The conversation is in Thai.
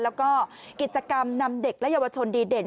แล้วก็กิจกรรมนำเด็กและเยาวชนดีเด่น